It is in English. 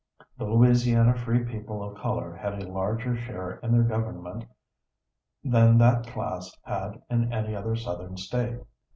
The Louisiana free people of color had a larger share in their government than that class had in any other Southern State.